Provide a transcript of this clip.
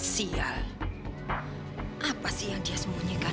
sia apa sih yang dia sembunyikan